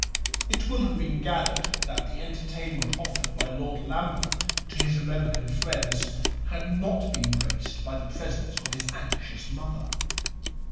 It will have been gathered that the entertainment offered by Lord Lambeth to his American friends had not been graced by the presence of his anxious mother.